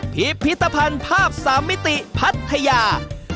พิพิธภัณฑ์ภาพสามมิติพัทยา